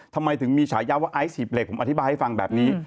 ทำไมถึงมีฉายาว่าไอซ์หีบเหล็กผมอธิบายให้ฟังแบบนี้